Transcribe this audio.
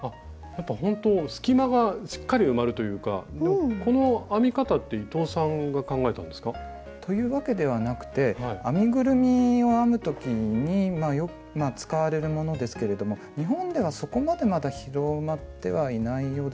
ほんと隙間がしっかり埋まるというかこの編み方って伊藤さんが考えたんですか？というわけではなくて編みぐるみを編む時に使われるものですけれども日本ではそこまでまだ広まってはいないようですね。